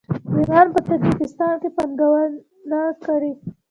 ایران په تاجکستان کې پانګونه کړې.